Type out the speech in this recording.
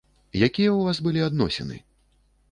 Якія ў вас былі адносіны?